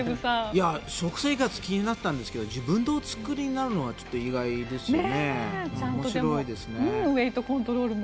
食生活が気になったんですけど自分でお作りになるのは意外ですよね。